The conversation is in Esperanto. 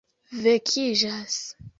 vekiĝas